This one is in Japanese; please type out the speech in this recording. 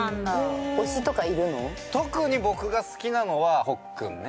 特に僕が好きなのはほっくんね。